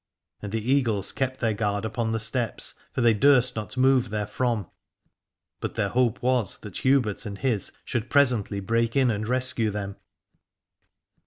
And the Eagles kept their guard upon the steps, for they durst not move there from, but their hope was that Hubert and his should presently break in and rescue them.